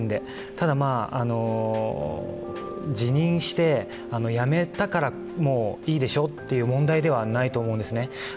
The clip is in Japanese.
ただ辞任して、辞めたからもういいでしょという問題ではないと思うんですね。